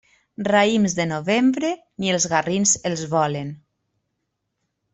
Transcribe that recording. Raïms de novembre, ni els garrins els volen.